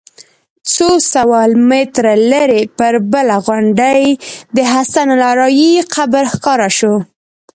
څو سوه متره لرې پر بله غونډۍ د حسن الراعي قبر ښکاره شو.